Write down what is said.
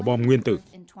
như bóng nguyên tử